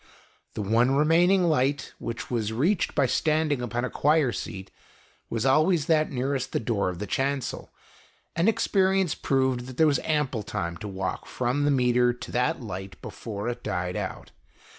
The one remaining light, which was reached by standing upon a choir seat, was always that nearest the door of the chancel, and experience proved that there was ample time to walk from the meter to that light before it died out.